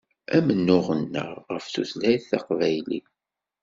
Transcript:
Amennuɣ-nneɣ ɣef tutlayt taqbaylit.